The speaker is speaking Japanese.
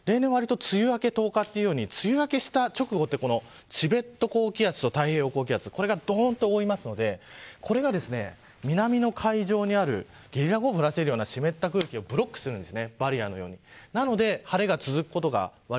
これが例年の夏ですが例年は梅雨明け１０日というふうに梅雨明けした直後はチベット高気圧と太平洋高気圧これがどんと覆いますのでこれが南の海上にあるゲリラ豪雨を降らせるような湿った空気をブロックしているんです。